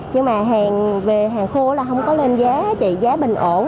nhưng mà hàng về hàng khô là không có lên giá trị giá bình ổn